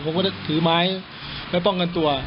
ผมก็จะถือไม้แล้วป้องกันตัว